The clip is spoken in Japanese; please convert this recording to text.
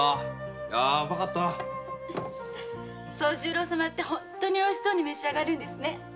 惣十郎様は本当においしそうに召し上がるんですね。